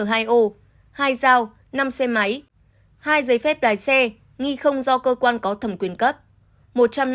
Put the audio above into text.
hai dao năm xe máy hai giấy phép lái xe nghi không do cơ quan có thẩm quyền cấp